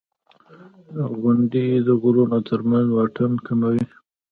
• غونډۍ د غرونو تر منځ واټن کموي.